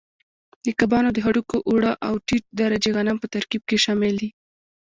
د کبانو د هډوکو اوړه او ټیټ درجې غنم په ترکیب کې شامل دي.